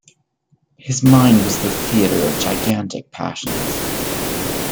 His mind was the theatre of gigantic passions.